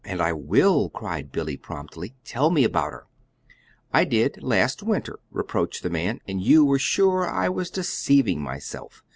"And I will," cried Billy, promptly. "Tell me about her." "I did last winter," reproached the man, "and you were sure I was deceiving myself.